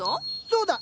そうだ！